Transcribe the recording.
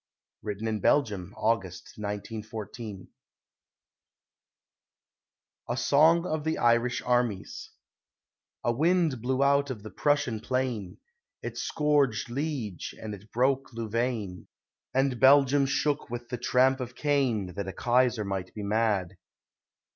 Written in Belgium, August, 1914 A SONG OF THE IRISH ARMIES A wind blew out of the Prussian plain; It scourged Liege, and it broke Louvain, And Belgium shook with the tramp of Cain, That a Kaiser might be mad.